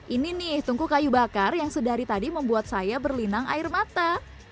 ini nih tungku kayu bakar yang sedari tadi membuat saya berlinang air mata